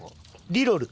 リロル。